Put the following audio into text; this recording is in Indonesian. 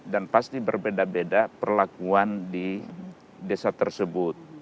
dan pasti berbeda beda perlakuan di desa tersebut